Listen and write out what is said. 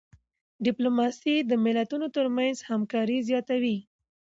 ډيپلوماسي د ملتونو ترمنځ همکاري زیاتوي.